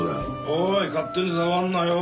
おい勝手に触るなよ。